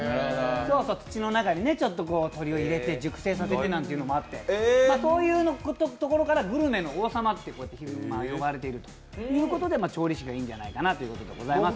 土の中に鳥を入れて熟成させてなんていうのもあって、そういうところからグルメの王様と呼ばれているということで、調理師がいいんじゃないかなということでございます。